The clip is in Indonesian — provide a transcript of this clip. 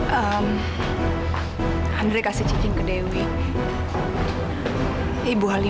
kamu dan andri saling mencintai